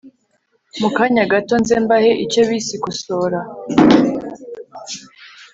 mukanya gato nze mbahe icyo bise ikosora